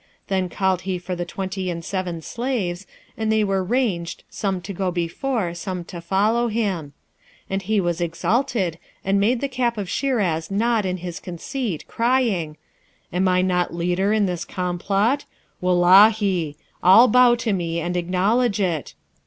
Then called he for the twenty and seven slaves, and they were ranged, some to go before, some to follow him. And he was exalted, and made the cap of Shiraz nod in his conceit, crying, 'Am I not leader in this complot? Wullahy! all bow to me and acknowledge it.'